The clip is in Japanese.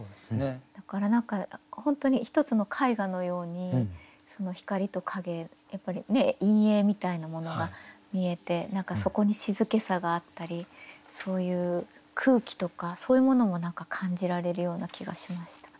だから何か本当に一つの絵画のようにその光と影やっぱり陰影みたいなものが見えて何かそこに静けさがあったりそういう空気とかそういうものも感じられるような気がしました。